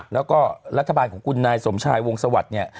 แล้วก็รัฐบาลของคุณนายสมชายวงสวัสดิ์เนี่ย